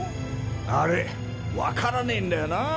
あれ分からねぇんだよな。